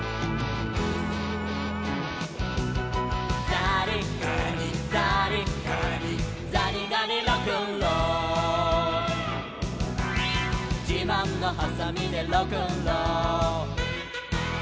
「ざりがにざりがにざりがにロックンロール」「じまんのはさみでロックンロール」